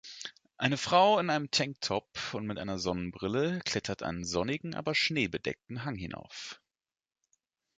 Eine Frau in einem Tank Top und mit einer Sonnenbrille klettert einen sonnigen aber schneebedeckten Hang hinauf.